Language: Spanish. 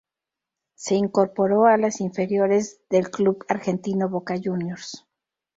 Se incorporó a las inferiores del club argentino Boca Juniors.